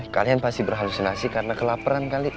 kalian pasti berhalusinasi karena kelaparan kali